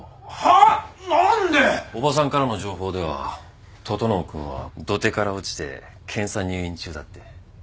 叔母さんからの情報では整君は土手から落ちて検査入院中だって。